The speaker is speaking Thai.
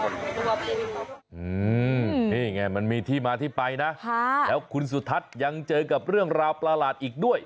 นี่ไงมันมีที่มาที่ไปนะแล้วคุณสุทัศน์ยังเจอกับเรื่องราวประหลาดอีกด้วย